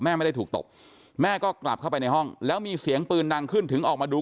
ไม่ได้ถูกตบแม่ก็กลับเข้าไปในห้องแล้วมีเสียงปืนดังขึ้นถึงออกมาดู